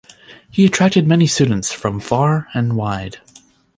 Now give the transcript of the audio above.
He attracted many students from far and wide.